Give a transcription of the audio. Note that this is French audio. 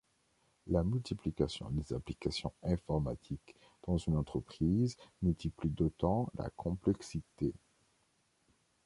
La multiplication des applications informatiques dans une entreprise multiplie d'autant la complexité.